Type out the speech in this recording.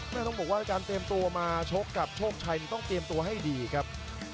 ต้องบอกว่าการเตรียมตัวมาชกกับโชคชัยต้องเตรียมตัวให้ดีครับ